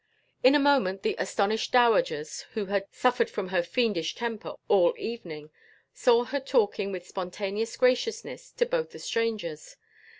In a moment the astonished dowagers who had "suffered from her fiendish temper all evening," saw her talking with spontaneous graciousness to both the strangers.